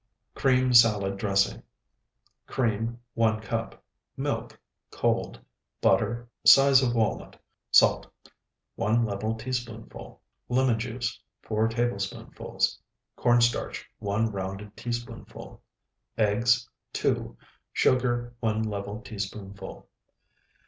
CREAM SALAD DRESSING Cream, 1 cup. Milk, cold. Butter, size of walnut. Salt, 1 level teaspoonful. Lemon juice, 4 tablespoonfuls. Corn starch, 1 rounded teaspoonful. Eggs, 2. Sugar, 1 level teaspoonful.